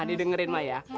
didengerin ma ya